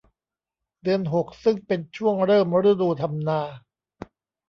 เดือนหกซึ่งเป็นช่วงเริ่มฤดูทำนา